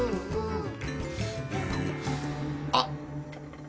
あっ。